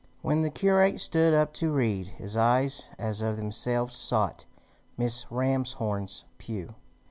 When the curate stood up to read, his eyes as of themselves sought Mrs. Ramshorn's pew.